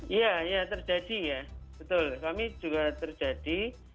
iya ya terjadi ya betul kami juga terjadi